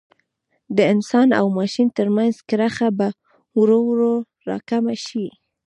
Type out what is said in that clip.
د انسان او ماشین ترمنځ کرښه به ورو ورو را کمه شي.